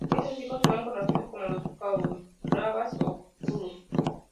Esos hijos fueron conocidos como los Kauravas o Kurus.